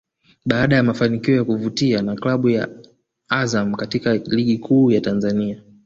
Baada ya mafanikio ya kuvutia na klabu ya Azam katika Ligi Kuu ya Tanzania